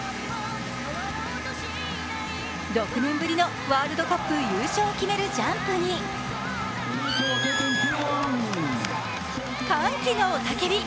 ６年ぶりのワールドカップ優勝を決めるジャンプに歓喜の雄たけび。